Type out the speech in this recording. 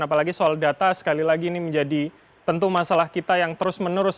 apalagi soal data sekali lagi ini menjadi tentu masalah kita yang terus menerus